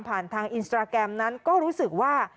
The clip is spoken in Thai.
ทางอินสตราแกรมนั้นก็รู้สึกว่า